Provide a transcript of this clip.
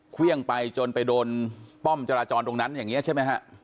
เครื่องไปจนไปโดนป้อมจราจรตรงนั้นอย่างนี้ใช่ไหมฮะ